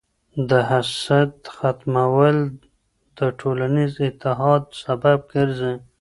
د حسد ختمول د ټولنیز اتحاد سبب ګرځي.